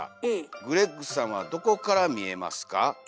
『グレッグさんはどこから見えますか？』。